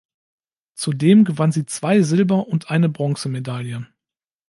Zudem gewann sie zwei Silber- und eine Bronzemedaille.